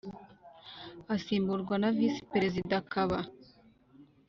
asimburwa na Visi Perezida akaba